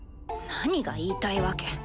何が言いたいわけ？